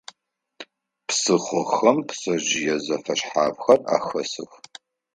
Псыхъохэм пцэжъые зэфэшъхьафхэр ахэсых.